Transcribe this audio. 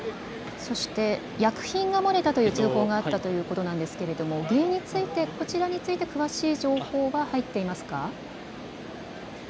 薬品が漏れたという通報があったということなんですが原因について詳しい情報は入っていますか。